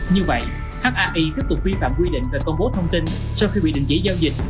như vậy hi tiếp tục vi phạm quy định về công bố thông tin sau khi bị đình chỉ giao dịch